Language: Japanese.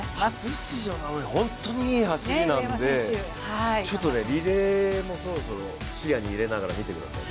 初出場なのに本当にいい走りなのでちょっとリレーもそうですけど視野に入れながら見てください。